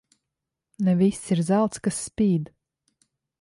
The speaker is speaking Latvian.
Ne viss ir zelts, kas spīd.